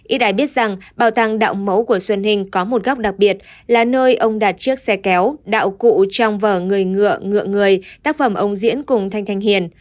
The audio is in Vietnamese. y đại biết rằng bảo tàng đạo mẫu của xuân hình có một góc đặc biệt là nơi ông đặt chiếc xe kéo đạo cụ trong vở người ngựa ngựa người tác phẩm ông diễn cùng thanh thanh hiền